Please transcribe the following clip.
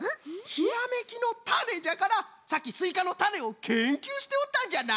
ひらめきのタネじゃからさっきスイカのたねをけんきゅうしておったんじゃな！